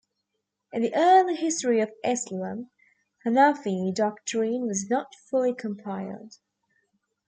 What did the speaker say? In the early history of Islam, Hanafi doctrine was not fully compiled.